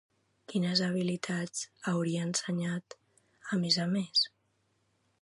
Quines habilitats hauria ensenyat, a més a més?